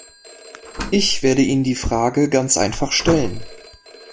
Ich werde Ihnen die Frage ganz einfach stellen.